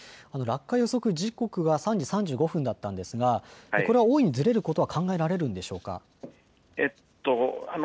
落下予測時刻は３時３５分だったんですが大いにずれることは考えられるんでしょうか。